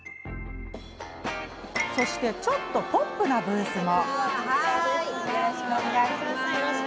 ちょっとポップなブースも。